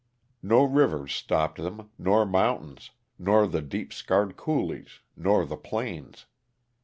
No rivers stopped them, nor mountains, nor the deep scarred coulees, nor the plains.